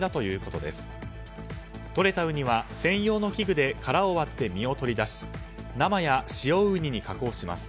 とれたウニは専用の器具で殻を割って身を取り出し生や塩ウニに加工します。